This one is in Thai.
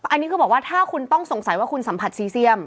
อันนี้คือบอกว่าถ้าคุณต้องสงสัยว่าคุณสัมผัสซีเซียม